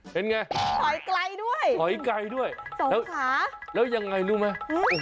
เห็นไงขอยไกลด้วยสองขาแล้วยังไงรู้ไหม